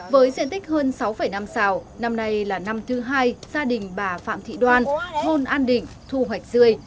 với diện tích hơn sáu năm xào năm nay là năm thứ hai gia đình bà phạm thị đoan thôn an định thu hoạch dươi